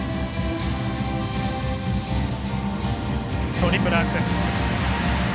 トリプルアクセル。